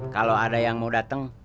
kalau ada yang mau datang